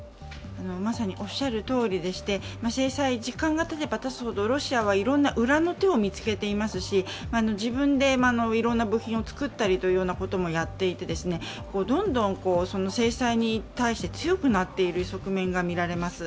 まさにおっしゃるとおりでして制裁、時間がたてばたつほどロシアはいろんな裏の手を見つけていますし自分でいろんな部品を作ったりもやっていてどんどん制裁に対して強くなっている側面がみられます。